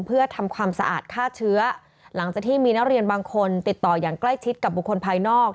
เพื่อทำความสะอาดฆ่าเชื้อหลังจากที่มีนักเรียนบางคนติดต่ออย่างใกล้ชิดกับบุคคลภายนอก